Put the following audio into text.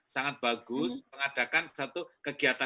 sangat bagus mengadakan satu kegiatan